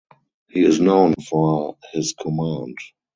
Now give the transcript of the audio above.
He is known for his command.